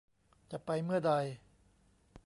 จะไปเมื่อใด